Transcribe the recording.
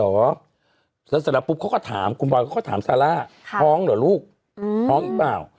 แล้วสันตะปุ๊บเขาก็ถามคุณบอยก็ถามซาร่าท้องเหรอลูกท้องหรือเปล่า